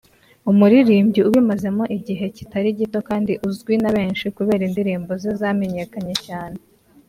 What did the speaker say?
umuririmbyi ubimazemo igihe kitari gito kandi uzwi na benshi kubera indirimbo ze zamenyekanye cyane